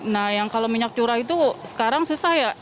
nah yang kalau minyak curah itu sekarang susah ya